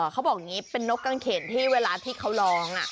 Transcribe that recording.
เขาบอกอย่างนี้เป็นนกกางเขนที่เวลาที่เขาร้อง